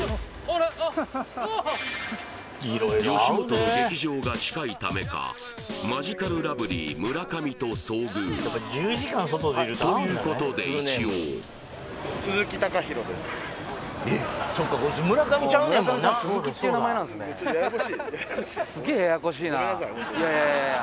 あっあっ吉本の劇場が近いためかマヂカルラブリー村上と遭遇ということで一応いやいやいやいや